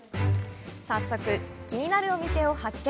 早速、気になるお店を発見！